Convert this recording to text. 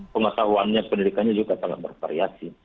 pengetahuannya pendidikannya juga sangat bervariasi